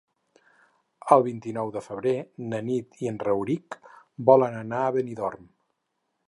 El vint-i-nou de febrer na Nit i en Rauric volen anar a Benidorm.